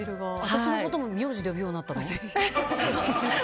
私のことも名字で呼ぶようになったの？